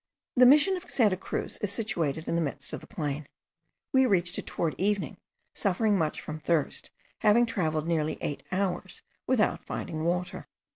The Mission of Santa Cruz is situated in the midst of the plain. We reached it towards the evening, suffering much from thirst, having travelled nearly eight hours without finding water.